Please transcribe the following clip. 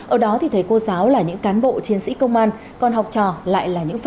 ở đó thì thấy cô giáo là những cán bộ chiến sĩ công an còn học trò lại là những